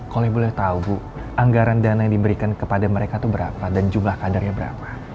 kalo ibu boleh tau bu anggaran dana yang diberikan kepada mereka tuh berapa dan jumlah kadernya berapa